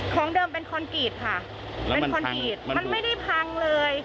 ของเดิมเป็นคอนกรีดค่ะมันไม่ได้พังเลย